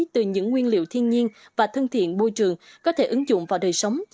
từ những nguyên liệu thiên nhiên và thân thiện môi trường có thể ứng dụng vào đời sống